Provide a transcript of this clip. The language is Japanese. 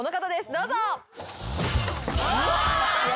どうぞ。